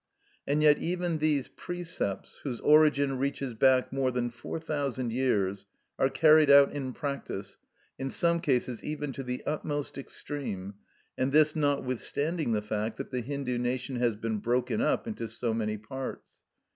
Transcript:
And even yet these precepts, whose origin reaches back more than four thousand years, are carried out in practice, in some cases even to the utmost extreme,(86) and this notwithstanding the fact that the Hindu nation has been broken up into so many parts.